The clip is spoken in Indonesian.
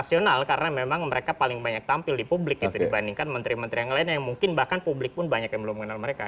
rasional karena memang mereka paling banyak tampil di publik gitu dibandingkan menteri menteri yang lain yang mungkin bahkan publik pun banyak yang belum mengenal mereka